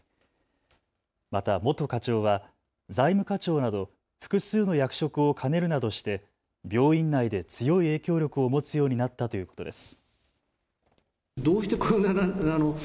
また元課長は財務課長など複数の役職を兼ねるなどして病院内で強い影響力を持つようになったということです。